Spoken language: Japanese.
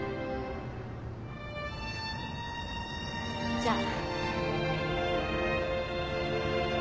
じゃあ。